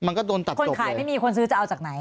มันก็โดนตัดคนขายไม่มีคนซื้อจะเอาจากไหน